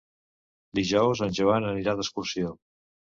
Dijous en Joan anirà d'excursió.